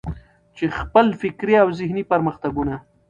چې خپل فکري او ذهني پرمختګونه.